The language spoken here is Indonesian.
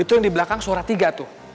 itu yang di belakang suara tiga tuh